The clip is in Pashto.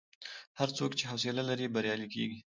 هر څوک چې حوصله لري، بریالی کېږي.